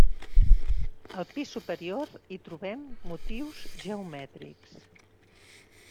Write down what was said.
Al pis superior hi trobem motius geomètrics.